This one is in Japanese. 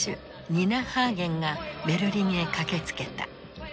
ニナ・ハーゲンがベルリンへ駆けつけた。